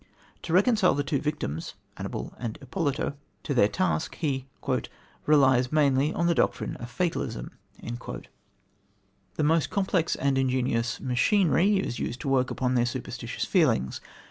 To reconcile the two victims Annibal and Ippolito to their task, he "relies mainly on the doctrine of fatalism." The most complex and ingenious "machinery" is used to work upon their superstitious feelings.